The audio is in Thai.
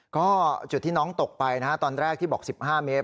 ก็จุดที่น้องตกไปนะฮะตอนแรกที่บอก๑๕เมตร